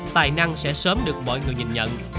tài năng sẽ sớm được mọi người nhìn nhận